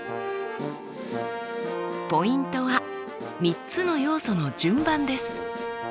ポイントは３つの要素の順番です。